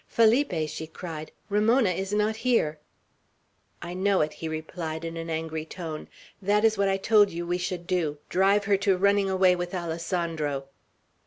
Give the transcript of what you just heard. "Felipe!" she cried, "Ramona is not here." "I know it," he replied in an angry tone. "That is what I told you we should do, drive her to running away with Alessandro!"